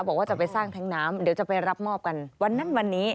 บอกว่าจะไปสร้างแท้งน้ำเดี๋ยวจะไปรับมอบกันวันนั้นวันนี้